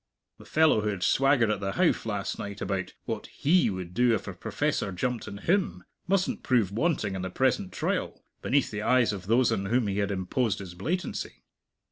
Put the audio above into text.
The fellow who had swaggered at the Howff last night about "what he would do if a professor jumped on him," mustn't prove wanting in the present trial, beneath the eyes of those on whom he had imposed his blatancy.